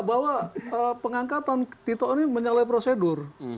bahwa pengangkatan tito ini menyalahi prosedur